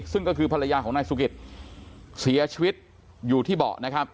ซึ่งก็คือภรรยาของนายสุกิตเสียชีวิตอยู่ที่เบาะนะครับ